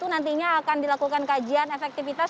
nantinya akan dilakukan kajian efektivitas